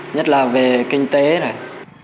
nhất là về kinh tế này